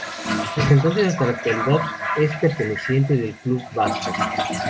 Desde entonces hasta la actualidad es pertenencia del club vasco.